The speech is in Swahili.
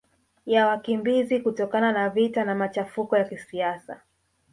ya wakimbizi kutokana na vita na machafuko ya kisiasa